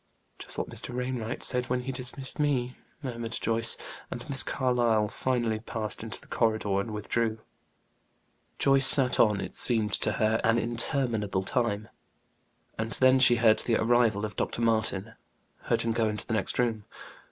"Just what Mr. Wainwright said when he dismissed me," murmured Joyce. And Miss Carlyle finally passed into the corridor and withdrew. Joyce sat on; it seemed to her an interminable time. And then she heard the arrival of Dr. Martin; heard him go into the next room.